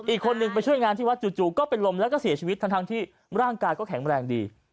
อีกคนนึงไปช่วยงานที่วัดจู่ก็เป็นลมแล้วก็เสียชีวิตทั้งที่ร่างกายก็แข็งแรงดี